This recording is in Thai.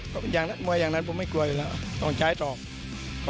ตอนนั้นผมไม่กลัวอย่างนั้นต้องแช้ตรอก